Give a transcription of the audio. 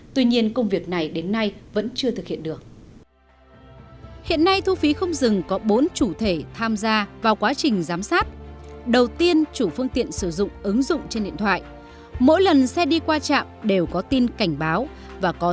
tuy nhiên công việc này đến nay vẫn chưa thực hiện được